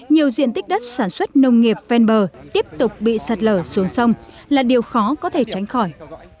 nhiều diện tích đất sản xuất nông nghiệp ven bờ tiếp tục bị sạt lở xuống sông là điều khó có thể tránh khỏi